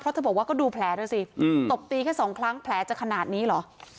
เพราะเธอบอกว่าก็ดูแผลด้วยสิตบตีแค่สองครั้งแผลจะขนาดนี้เหรอ